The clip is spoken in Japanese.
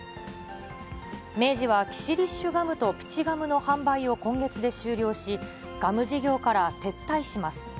明治はキシリッシュガムとプチガムの販売を今月で終了し、ガム事業から撤退します。